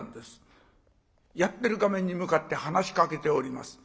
やってる画面に向かって話しかけております。